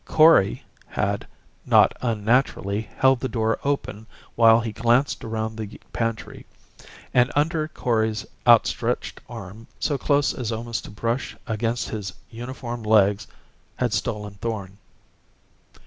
Kori had, not unnaturally, held the door open while he glanced around the pantry. And under Kori's outstretched arm, so close as almost to brush against his uniformed legs, had stolen Thorn.